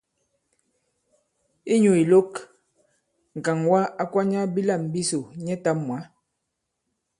Inyū ìlok, ŋ̀kàŋwa a kwanya bilâm bisò nyɛtām mwǎ.